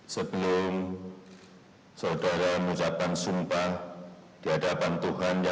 kepala kepolisian negara republik indonesia